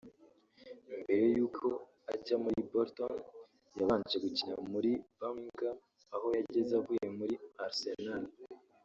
mbere y’uko ajya muri Bolton yabanje gukina muri Birmingham aho yageze avuye muri Arsenal